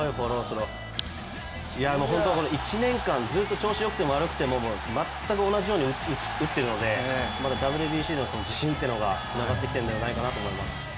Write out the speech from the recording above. この１年間ずっと調子よくても悪くても全く同じように打っているのでＷＢＣの自信というのがつながってきていると思います